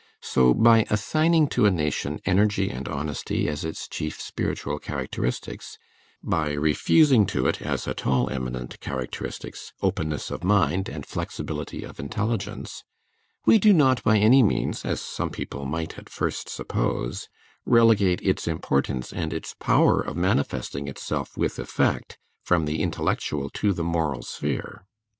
So, by assigning to a nation energy and honesty as its chief spiritual characteristics, by refusing to it, as at all eminent characteristics, openness of mind and flexibility of intelligence, we do not by any means, as some people might at first suppose, relegate its importance and its power of manifesting itself with effect from the intellectual to the moral sphere.